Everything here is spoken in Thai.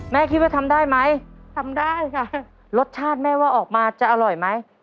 แม่คิดว่าทำได้ไหมทำได้ค่ะรสชาติแม่ว่าออกมาจะอร่อยไหม